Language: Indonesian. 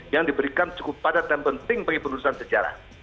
yang diberikan cukup padat dan penting bagi penulisan sejarah